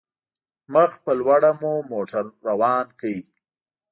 مخ په لوړه مو موټر روان کړ.